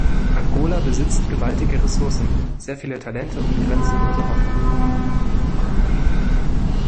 Angola besitzt gewaltige Ressourcen, sehr viele Talente und grenzenlose Hoffnung.